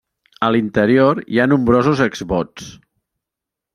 A l'interior hi ha nombrosos exvots.